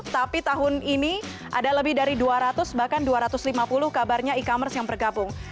tapi tahun ini ada lebih dari dua ratus bahkan dua ratus lima puluh kabarnya e commerce yang bergabung